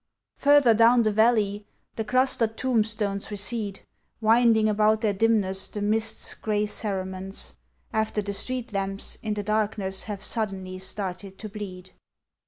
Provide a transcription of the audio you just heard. Further down the valley the clustered tombstones recede, Winding about their dimness the mist's grey cerements, after The street lamps in the darkness have suddenly started to bleed.